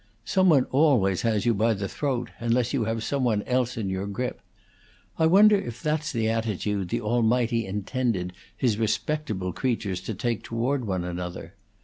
Some one always has you by the throat, unless you have some one else in your grip. I wonder if that's the attitude the Almighty intended His respectable creatures to take toward one another!